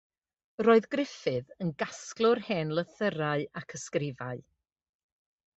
Roedd Griffith yn gasglwr hen lythyrau ac ysgrifau.